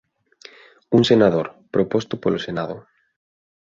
Un senador, proposto polo Senado.